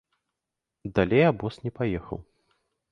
Далей абоз не паехаў.